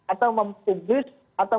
atau mempublis atau